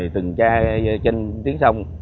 từng tra trên tiếng sông